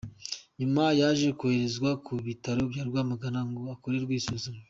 Nyuma yaje koherezwa ku bitaro bya Rwamagana ngo akorerwe isuzuma.